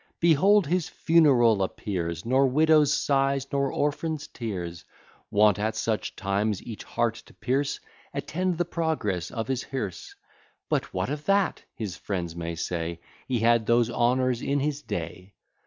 Behold his funeral appears, Nor widows' sighs, nor orphans' tears, Wont at such times each heart to pierce, Attend the progress of his hearse. But what of that? his friends may say, He had those honours in his day.